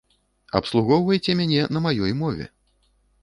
Абслугоўвайце мяне на маёй мове.